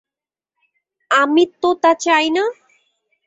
আমি তো তা চাই না।